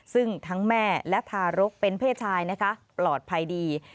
ซึ่งทั้งแม่และทารกเป็นเพศชายนะคะปลอดภัยดี